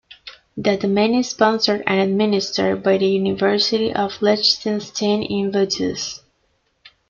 The domain is sponsored and administered by the University of Liechtenstein in Vaduz.